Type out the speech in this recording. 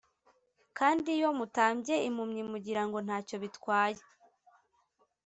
Kandi iyo mutambye impumyi mugira ngo nta cyo bitwaye